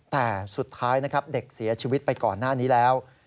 แต่สุดท้ายนะครับเด็กเสียชีวิตไปก่อนหน้านี้แล้ว